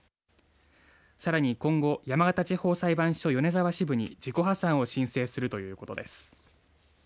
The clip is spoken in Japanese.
さらに今後山形地方裁判所米沢支部に自己破産を申請するということです。